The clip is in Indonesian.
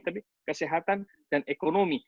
tapi kesehatan dan ekonomi